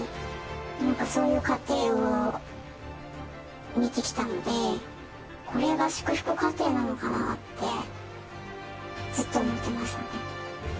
なんかそういう家庭を見てきたので、これが祝福家庭なのかなって、ずっと思ってましたね。